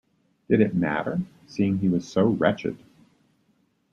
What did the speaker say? Did it matter, seeing he was so wretched?